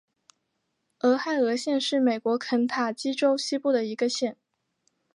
俄亥俄县是美国肯塔基州西部的一个县。